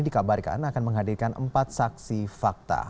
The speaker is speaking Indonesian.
dikabarkan akan menghadirkan empat saksi fakta